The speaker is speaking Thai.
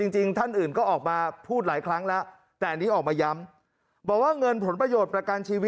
จริงท่านอื่นก็ออกมาพูดหลายครั้งแล้ว